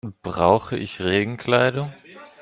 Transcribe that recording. Brauche ich Regenkleidung?